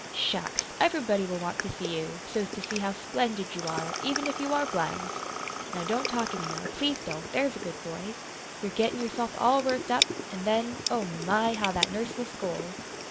"Shucks! Everybody will want to see you, so's to see how splendid you are, even if you are blind. Now don't talk any more please don't; there's a good boy. You're gettin' yourself all worked up, an' then, oh, my, how that nurse will scold!"